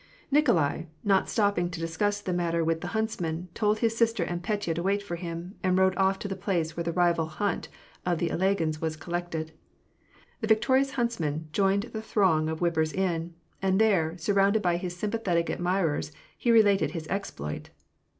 Nikolai, not stopping to discuss the matter with the hunts man, told his sister and Petya to wait for him, and rode off to the place where the rival hunt of the Ilagins was collected. The victorious huntsman joined the throng of whippers in ; and there, surrounded by his sympathetic admirers, he related his exploit.